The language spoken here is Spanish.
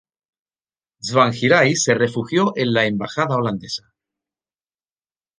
Tsvangirai se refugió en la embajada holandesa.